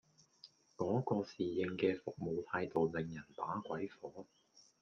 嗰個侍應嘅服務態度令人把鬼火